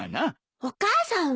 お母さんは？